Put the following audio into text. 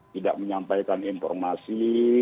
tidak menyampaikan informasi